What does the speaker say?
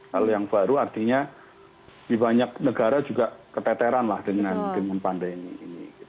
hal yang baru artinya di banyak negara juga keteteran lah dengan pandemi ini